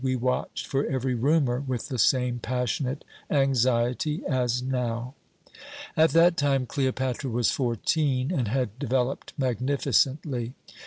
We watched for every rumour with the same passionate anxiety as now. "At that time Cleopatra was fourteen, and had developed magnificently.